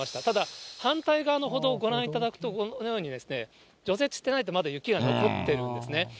ただ、反対側の歩道をご覧いただくと、このように除雪してないとまだ雪が残ってるんですね。